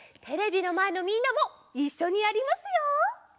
テレビのまえのみんなもいっしょにやりますよ！